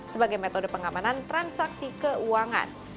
sebagai metode pengamanan transaksi keuangan